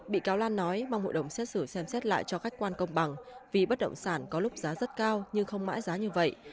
bị cáo lan nói mong hội đồng xét xử xem xét lại cho khách quan công bằng vì bất động sản có lúc giá rất cao nhưng không mãi giá như vậy